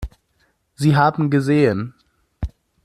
Sie haben gesehen.